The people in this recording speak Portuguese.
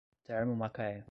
Termomacaé